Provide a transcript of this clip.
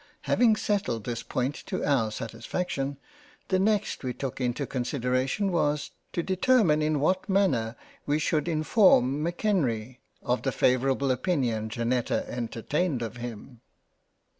Having settled this Point to our satisfaction, the next we took into consideration was, to determine in what manner we should inform M'Kenrie of the favourable Opinion Janetta entertained of him.